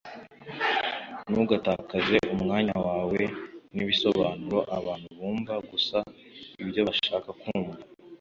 ntugatakaze umwanya wawe n'ibisobanuro abantu bumva gusa ibyo bashaka kumva